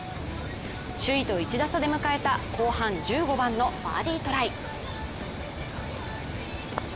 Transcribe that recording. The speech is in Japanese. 首位と１打差で迎えた後半１５番のバーディートライ。